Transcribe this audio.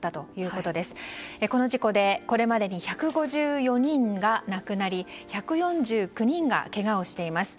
この事故で、これまでに１５４人が亡くなり１４９人がけがをしています。